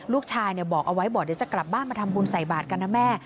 ลูกชายบอกเอาไว้บอกเดี๋ยวจะกลับบ้านมาทำบุญใส่บาทกันนะแม่